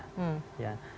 di jawa timur unggul